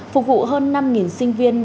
phục vụ hơn năm sinh viên